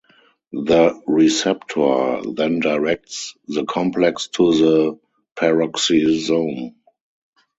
The receptor then directs the complex to the peroxisome.